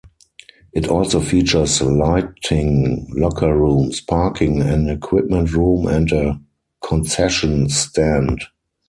It also features lighting, locker rooms, parking, an equipment room and a concession stand.